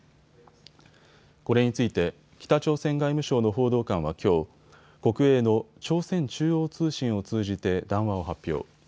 これについて北朝鮮外務省の報道官はきょう、国営の朝鮮中央通信を通じて談話を発表。